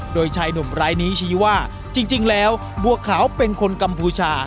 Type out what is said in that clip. โดยชายหนุ่มรายนี้ชี้ว่าจริงแล้วบัวขาวเป็นคนกัมพูชา